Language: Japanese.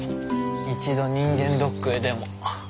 一度人間ドックへでも。